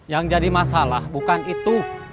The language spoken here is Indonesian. yang jadi masalah bukan itu